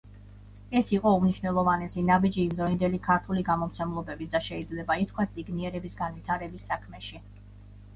ეს იყო უმნიშვნელოვანესი ნაბიჯი იმდროინდელი ქართული გამომცემლობების და შეიძლება ითქვას, წიგნიერების განვითარების საქმეში.